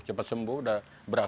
cepat sembuh berakhir